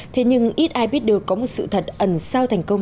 thế nhưng ít ai biết được có một sự thật ẩn sau thành công